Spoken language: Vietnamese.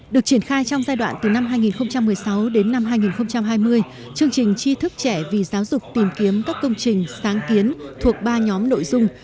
được triển khai trong giai đoạn từ năm hai nghìn một mươi sáu đến năm hai nghìn hai mươi chương trình tri thức trẻ vì giáo dục tìm kiếm các công trình sáng kiến thuộc ba nhóm nội dung